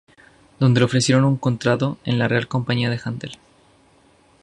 Donde le ofrecieron un contrato en la Real Compañía de Handel.